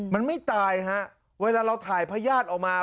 มันไม่ตายฮะเวลาเราถ่ายพญาติออกมา